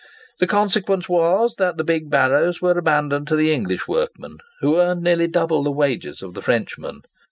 The consequence was that the big barrows were abandoned to the English workmen, who earned nearly double the wages of the Frenchmen.